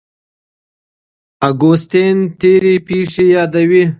اګوستين تېرې پېښې يادوي.